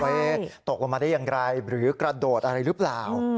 ตกลงมาได้อย่างไรหรือกระโดดอะไรหรือเปล่า